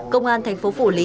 công an tp phủ lý tìm hiểu